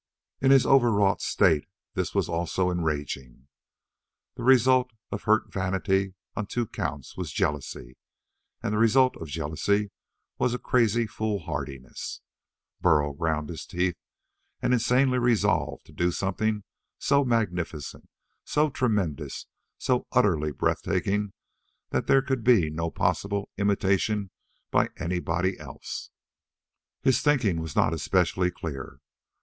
In his overwrought state this was also enraging. The result of hurt vanity on two counts was jealousy, and the result of jealousy was a crazy foolhardiness. Burl ground his teeth and insanely resolved to do something so magnificent, so tremendous, so utterly breathtaking that there could be no possible imitation by anybody else. His thinking was not especially clear.